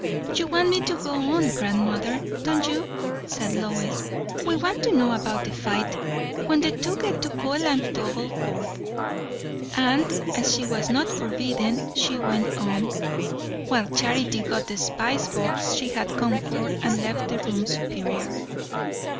"You want me to go on, grandmother, don't you?" said Lois. "We want to know about the fight, when the two get to Coilantogle ford." And as she was not forbidden, she went on; while Charity got the spice box she had come for, and left the room superior.